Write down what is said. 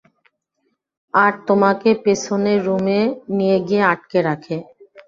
আর তোমাকে পেছনের রুমে নিয়ে গিয়ে আটকে রাখে?